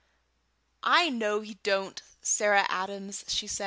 "I know he don't, Sarah Adams," said she.